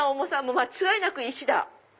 間違いなく石だ。